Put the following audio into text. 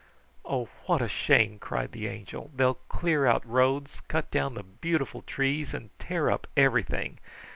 "Oh, what a shame!" cried the Angel. "They'll clear out roads, cut down the beautiful trees, and tear up everything.